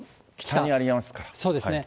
そうですね。